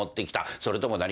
それとも何か？